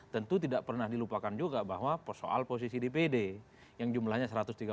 tentu tidak pernah dilupakan juga bahwa soal posisi dpd yang jumlahnya satu ratus tiga puluh